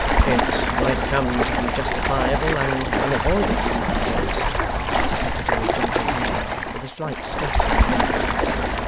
'It might come to be justifiable and unavoidable at last,' the Secretary gently hinted, with a slight stress on the word.